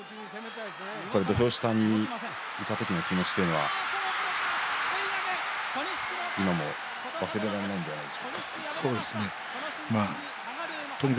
土俵下にいた時の気持ちというのは今も忘れられないんじゃないでしょうか。